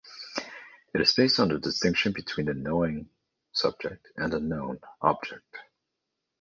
It is based on the distinction between the knowing subject and the known object.